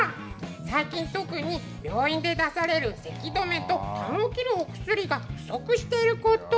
最近特に病院で出されるせき止めとたんを切るお薬が不足していること。